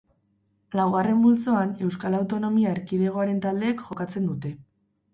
Laugarren multzoan Euskal Autonomia Erkidegoaren taldeek jokatzen dute.